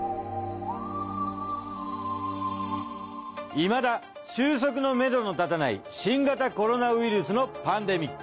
いまだ収束のめどの立たない新型コロナウイルスのパンデミック。